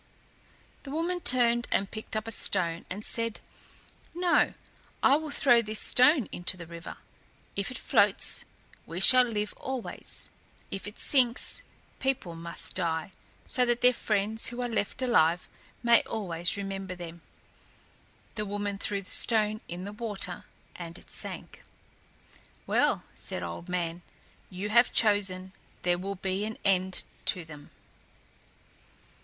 The woman turned and picked up a stone and said, "No, I will throw this stone in the river. If it floats, we shall live always; if it sinks, people must die, so that their friends who are left alive may always remember them." The woman threw the stone in the water, and it sank. "Well," said Old Man, "you have chosen; there will be an end to them."